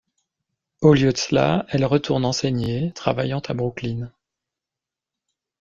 Au lieu de cela, elle retourne enseigner, travaillant à Brooklyn.